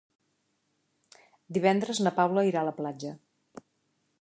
Divendres na Paula irà a la platja.